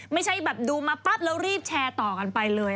ไม่ใช่แบบดูมาปั๊บแล้วรีบแชร์ต่อกันไปเลย